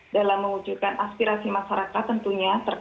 dalam mewujudkan aspirasi masyarakat tentunya terkait kuota data internet